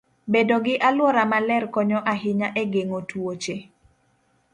Bedo gi alwora maler konyo ahinya e geng'o tuoche.